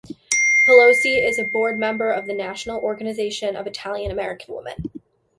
Pelosi is a board member of the National Organization of Italian American Women.